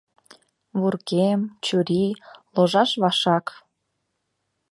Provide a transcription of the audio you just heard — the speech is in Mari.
Вургем, чурий — ложаш вашак